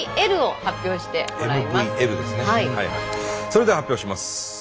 それでは発表します。